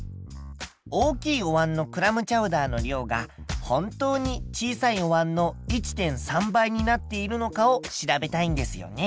大きいおわんのクラムチャウダーの量が本当に小さいおわんの１．３倍になっているのかを調べたいんですよね。